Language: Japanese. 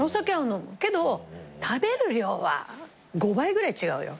けど食べる量は５倍ぐらい違うよ。